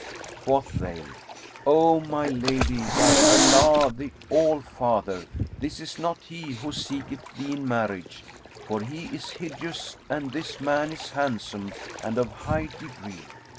Quoth they, "O my lady, by Allah the All Father, this is not he who seeketh thee in marriage, for he is hideous and this man is handsome and of high degree.